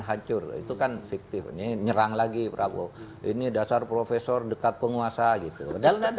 hancur itu kan fiktifnya nyerang lagi prabowo ini dasar profesor dekat penguasa gitu dan